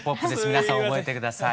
皆さん覚えて下さい。